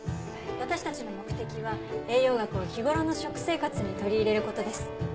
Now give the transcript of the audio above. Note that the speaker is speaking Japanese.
私たちの目的は栄養学を日頃の食生活に取り入れる事です。